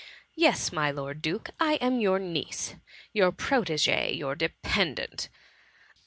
Yes, my lord duke, I am your niece — your prot6g6e— your dependant.